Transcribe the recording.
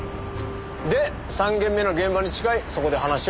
で３件目の現場に近いそこで話を聞いたわけです。